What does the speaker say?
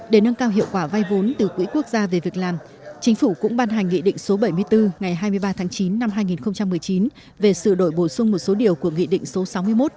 để nâng cao hiệu quả vay vốn từ quỹ quốc gia về việc làm chính phủ cũng ban hành nghị định số bảy mươi bốn ngày hai mươi ba tháng chín năm hai nghìn một mươi chín về sự đổi bổ sung một số điều của nghị định số sáu mươi một